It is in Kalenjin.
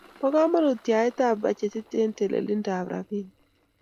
Bo kamanut yaetab bajetit eng telilindab robinik